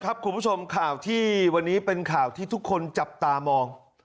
คุณผู้ชมข่าวที่วันนี้เป็นข่าวที่ทุกคนจับตามอง